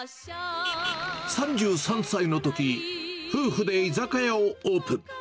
３３歳のとき、夫婦で居酒屋をオープン。